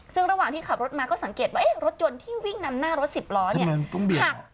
ซึ่งระหว่างที่ขับรถมาก็สังเกตว่ารถยนต์ที่วิ่งนำหน้ารถสิบล้อเนี่ยหัก